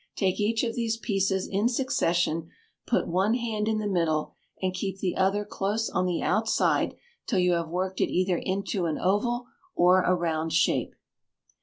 Take each of these pieces in succession; put one hand in the middle, and keep the other close on the outside till you have worked it either into an oval or a round shape.